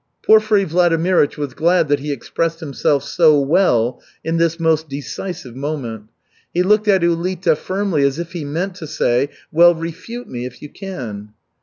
Porfiry Vladimirych was glad that he expressed himself so well in this most decisive moment. He looked at Ulita firmly as if he meant to say, "Well refute me, if you can."